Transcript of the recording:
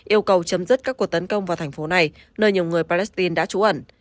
yêu cầu chấm dứt các cuộc tấn công vào thành phố này nơi nhiều người palestine đã trú ẩn